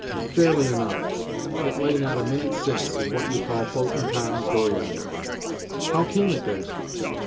"Fairly enough. It lay not a minut' since, in what you call Floatin' Tom's door yard." "How came it there?"